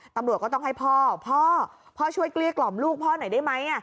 ตำรวจก็ต้องให้พ่อพ่อช่วยเกลี้ยกล่อมลูกพ่อหน่อยได้ไหม